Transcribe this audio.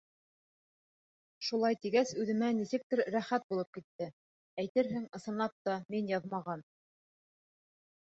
Шулай тигәс үҙемә нисектер рәхәт булып китте, әйтерһең, ысынлап та, мин яҙмағанмын.